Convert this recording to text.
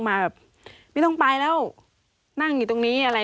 ไม่ต้องไปแล้วนั่งอยู่ตรงนี้